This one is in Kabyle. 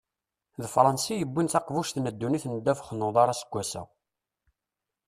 D Fransa i yewwin taqbuct n ddunit n ddabex n uḍar aseggas-a.